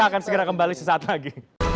akan segera kembali sesaat lagi